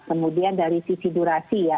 kemudian dari sisi durasi ya